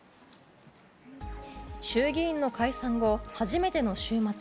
衆議院の解散後初めての週末。